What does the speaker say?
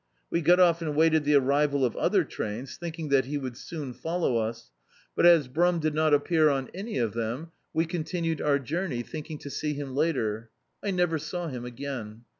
We got off and waited the arrival of other trains, thinking that he would soon follow us, but as Brum (751 D,i.,.db, Google The Autobiography of a Super Tramp did not appear on any of them, we continued our journey, thinking to see him later. I never saw him again.